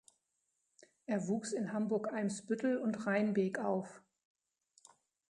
Er wuchs in Hamburg-Eimsbüttel und Reinbek auf.